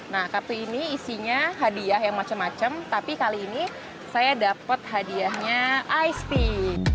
nah kartu ini isinya hadiah yang macam macam tapi kali ini saya dapat hadiahnya ice tea